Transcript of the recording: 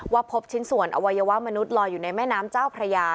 พบชิ้นส่วนอวัยวะมนุษยลอยอยู่ในแม่น้ำเจ้าพระยา